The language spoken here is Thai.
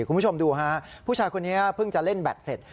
คุณผู้ชมดูฮะผู้ชายคนนี้เพิ่งจะเล่นแบตเสร็จ